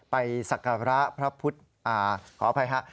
ไปสักภาระพระพุทธขออภัยครับ